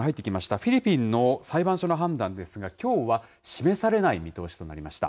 フィリピンの裁判所の判断ですが、きょうは示されない見通しとなりました。